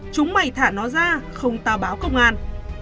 chúng mày thả nó ra không tao báo công an